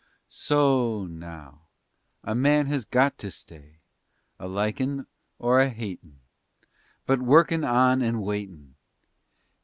So o, now, a man has got to stay, A likin' or a hatin', _But workin' on and waitin'.